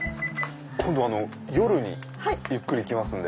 今度夜にゆっくり来ますんで。